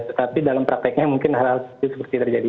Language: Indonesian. tetapi dalam prakteknya mungkin hal hal seperti terjadi